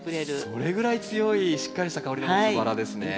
それぐらい強いしっかりした香りを持つバラですね。